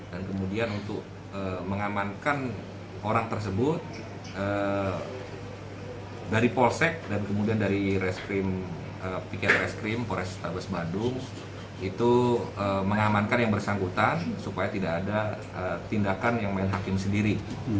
dan kemudian untuk mengamankan orang tersebut dari polsek dan kemudian dari reskrim pk reskrim polres tabes badung itu mengamankan yang bersangkutan supaya tidak ada tindakan yang main hakim sendiri